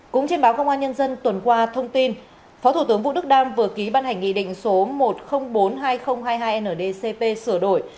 cũng trên báo công an nhân dân tuần qua thông tin phó thủ tướng vũ đức đam vừa ký ban hành nghị định số một trăm linh bốn hai nghìn hai mươi hai ndcp sửa đổi